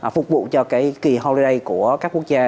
phục vụ cho cái kỳ horeray của các quốc gia